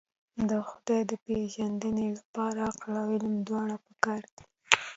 د خدای د پېژندنې لپاره عقل او علم دواړه پکار دي.